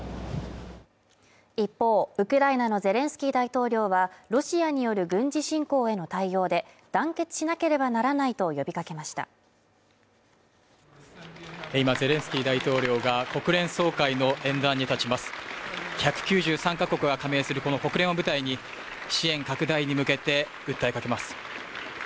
一方、ウクライナのゼレンスキー大統領はロシアによる軍事侵攻への対応で団結しなければならないと呼びかけましたゼレンスキー大統領が国連総会の演壇に立ちます１９３か国が加盟するこの国連を舞台に支援拡大に向けて訴えかけます